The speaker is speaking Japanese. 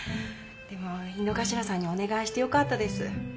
でも井之頭さんにお願いしてよかったです。